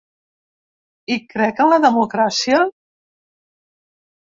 Hi crec en la democràcia?